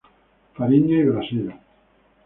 Fariña y Brasil.